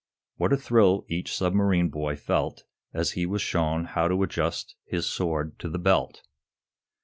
What a thrill each submarine boy felt as he was shown how to adjust his sword to the belt!